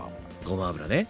ごま油ね。